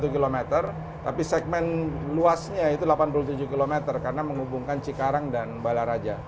satu km tapi segmen luasnya itu delapan puluh tujuh km karena menghubungkan cikarang dan balaraja